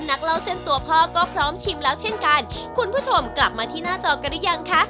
นักเล่าเส้นตัวพ่อก็พร้อมชิมแล้วเช่นกันคุณผู้ชมกลับมาที่หน้าจอกันหรือยังคะ